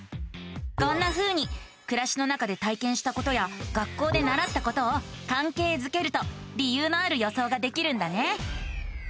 こんなふうにくらしの中で体験したことや学校でならったことをかんけいづけると理由のある予想ができるんだね。